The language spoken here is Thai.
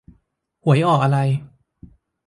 หวยออกอะไร